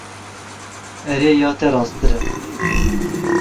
Erê ya te rasttir e.